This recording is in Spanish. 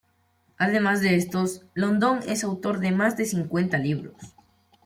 Además de estos, London es autor de más de cincuenta libros.